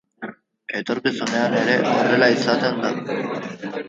Etorkizunean ere horrela izanen da.